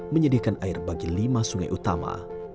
menyediakan air bagi lima sungai utama